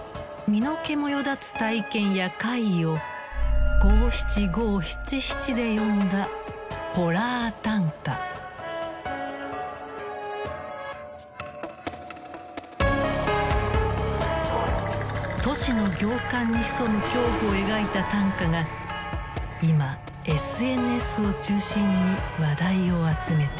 身の毛もよだつ体験や怪異を五七五七七で詠んだ都市の行間に潜む恐怖を描いた短歌が今ＳＮＳを中心に話題を集めています。